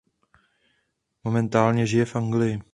Momentálně žije v Anglii.